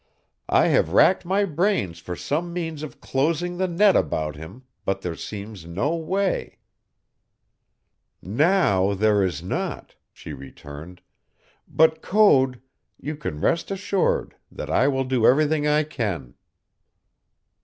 "I have racked my brains for some means of closing the net about him, but there seems no way." "Now there is not," she returned, "but, Code, you can rest assured that I will do everything I can."